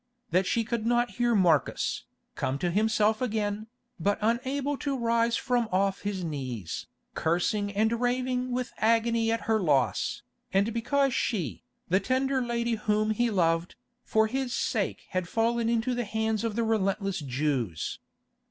That she could not hear Marcus, come to himself again, but unable to rise from off his knees, cursing and raving with agony at her loss, and because she, the tender lady whom he loved, for his sake had fallen into the hands of the relentless Jews.